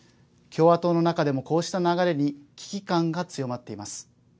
共和党の中でも、こうした流れに危機感が強まっています。